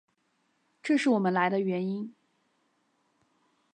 这是我们来的原因。